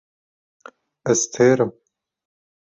Ez têr im.